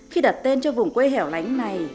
khi đặt tên cho vùng quê hẻo lánh này